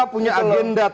waru yang aneh